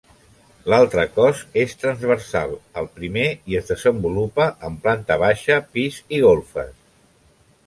L'altre cos és transversal al primer i es desenvolupa en planta baixa, pis i golfes.